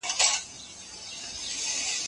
تخلیق د انسان طبیعي ځانګړتیا ده.